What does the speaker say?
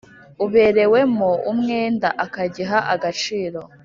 uberewemo umwenda akagiha agaciro